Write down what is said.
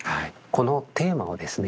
このテーマをですね